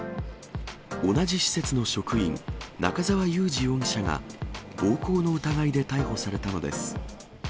同じ施設の職員、中沢雄治容疑者が、暴行の疑いで逮捕されたのです。